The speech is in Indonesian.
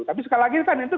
tapi sekali lagi kan itu